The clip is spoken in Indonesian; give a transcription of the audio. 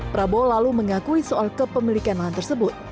prabowo lalu mengakui soal kepemilikan lahan tersebut